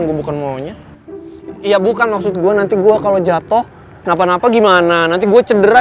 gue bukan maunya ya bukan maksud gue nanti gua kalau jatuh napa napa gimana nanti gue cedera